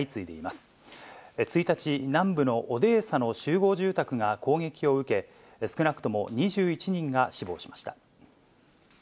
１日、南部のオデーサの集合住宅が攻撃を受け、少なくとも２１人が死亡しました。